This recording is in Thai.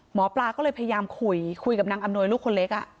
หมอปลาก็เลยพยายามคุยคุยกับนางอำนวยลูกคนเล็ก